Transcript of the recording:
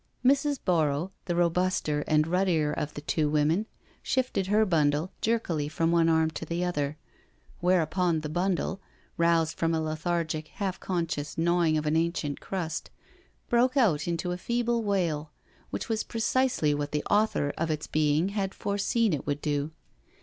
Mrs. Borrow, the robuster and ruddier of the two women, shifted her Bundle jerkily from one arm to the other, whereupon the Bundle, roused from a lethargic, half conscious gnawing of an ancient crust, broke out into a feeble wail, which was precisely what the Author of its being had foreseen it would do.